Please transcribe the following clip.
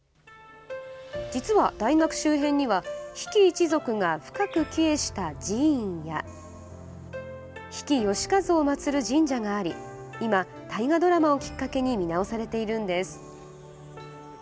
実は大学周辺には比企一族が深く帰依した寺院や比企能員を祭る神社があり今、大河ドラマをきっかけに見直されているんです。